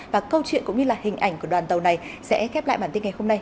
và câu chuyện cũng như là hình ảnh của đoàn tàu này sẽ khép lại bản tin ngày hôm nay